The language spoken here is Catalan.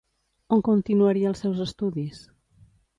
On continuaria els seus estudis?